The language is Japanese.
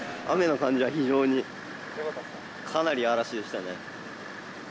雨の感じは非常に、かなり嵐でしたね。